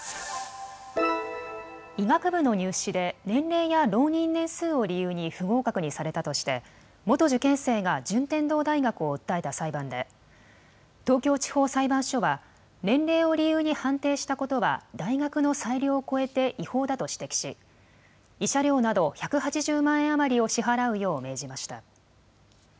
医学部の入試で年齢や浪人年数を理由に不合格にされたとして、元受験生が順天堂大学を訴えた裁判で、東京地方裁判所は、年齢を理由に判定したことは大学の裁量を超えて違法だと指摘し、慰謝料など１８０万円余りを支払うよう命じました。